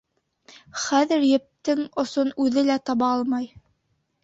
Хәҙер ептең осон үҙе лә таба алмай.